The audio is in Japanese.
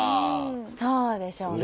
そうでしょうね。